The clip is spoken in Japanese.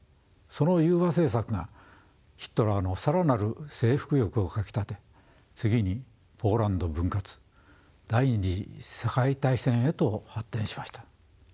その融和政策がヒトラーの更なる征服欲をかきたて次にポーランド分割第２次世界大戦へと発展しました。